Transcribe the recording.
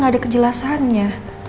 tidak ada penjelasannya